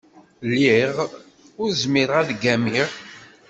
Lliɣ ur zmireɣ ad ggamiɣ.